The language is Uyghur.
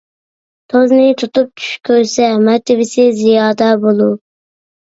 توزنى تۇتۇپ چۈش كۆرسە، مەرتىۋىسى زىيادە بولۇر.